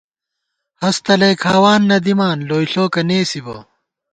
ہست تلئ کھاوان نہ دِمان ، لوئےݪوکہ نېسِبہ